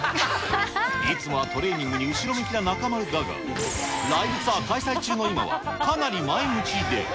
いつもはトレーニングに後ろ向きな中丸だが、ライブツアー開催中の今はかなり前向きで。